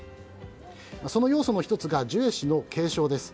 その要素の１つがジュエ氏の敬称です。